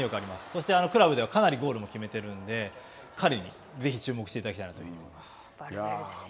そして、クラブではかなりゴールも決めてるので、彼にぜひ注目していただきたいなと思います。